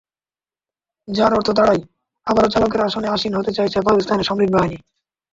যার অর্থ দাঁড়ায়, আবারও চালকের আসনে আসীন হতে চাইছে পাকিস্তানের সামরিক বাহিনী।